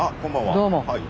どうも。